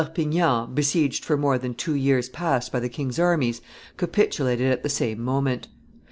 Perpignan, besieged for more than two years past by the king's armies, capitulated at the same moment.